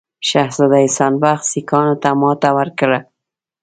شهزاده احسان بخت سیکهانو ته ماته ورکړه.